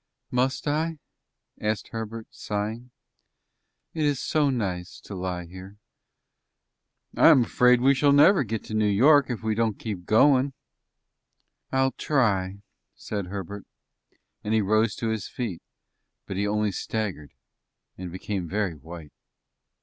"Must I?" asked Herbert, sighing. "It is so nice to lie here." "I am afraid we shall never get to New York if we don't keep goin'." "I'll try," said Herbert, and he rose to his feet, but he only staggered and became very white.